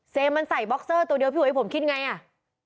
มันใส่บ็อกเซอร์ตัวเดียวพี่อุ๋ยผมคิดไงอ่ะ